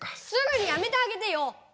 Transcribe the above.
すぐにやめてあげてよ！